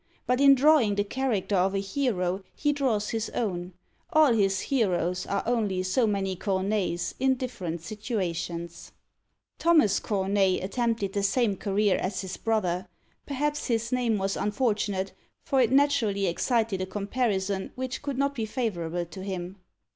But in drawing the character of a hero he draws his own. All his heroes are only so many Corneilles in different situations. Thomas Corneille attempted the same career as his brother; perhaps his name was unfortunate, for it naturally excited a comparison which could not be favourable to him.